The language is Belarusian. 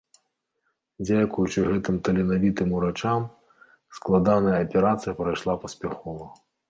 Дзякуючы гэтым таленавітым урачам, складаная аперацыя прайшла паспяхова.